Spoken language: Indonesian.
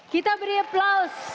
kita beri aplaus